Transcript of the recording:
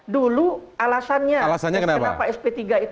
dulu alasannya kenapa sp tiga itu